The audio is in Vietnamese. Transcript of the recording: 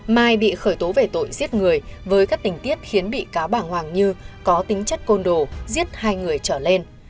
mai bị khởi tố về tội giết người với các tình tiết khiến bị cáo bà hoàng như có tính chất côn đồ giết hai người trở lên